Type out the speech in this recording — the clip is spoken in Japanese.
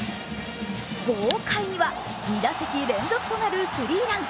ゴー快には２打席連続となるスリーラン。